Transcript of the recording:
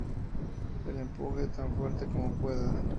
Empuje tan fuerte como pueda.